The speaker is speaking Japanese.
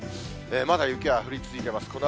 まだ雪は降り続いています。